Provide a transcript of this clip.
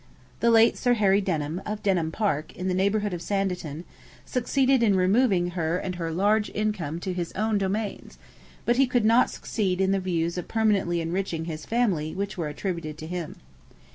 The late Sir Harry Denham, of Denham Park, in the neighbourhood of Sanditon, succeeded in removing her and her large income to his own domains; but he could not succeed in the views of permanently enriching his family which were attributed to him.